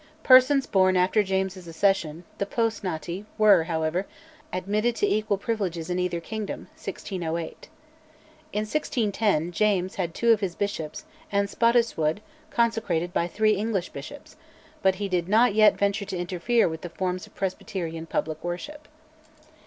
Persons born after James's accession (the post nati) were, however, admitted to equal privileges in either kingdom (1608). In 1610 James had two of his bishops, and Spottiswoode, consecrated by three English bishops, but he did not yet venture to interfere with the forms of Presbyterian public worship.